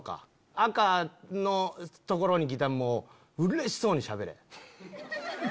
赤のところに来たらもううれしそうにしゃべれ。